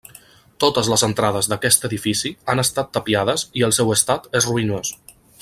Totes les entrades d'aquest edifici han estat tapiades i el seu estat és ruïnós.